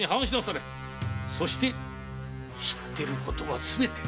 そして知ってることはすべて。